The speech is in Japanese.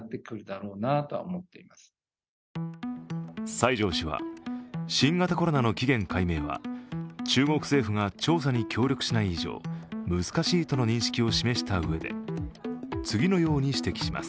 西條氏は新型コロナの起源解明は中国政府が調査に協力しない以上、難しいとの認識を示したうえで次のように指摘します。